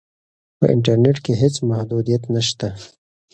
په انټرنیټ کې هیڅ محدودیت نشته.